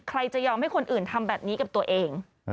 ใครจะยอมให้คนอื่นทำแบบนี้กับตัวเอง